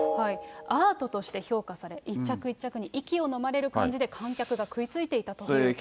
アートとして評価され、一着一着に息をのまれる感じで観客がくいついくいていたということなんです。